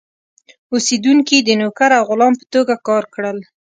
اوسېدونکي د نوکر او غلام په توګه کار کړل.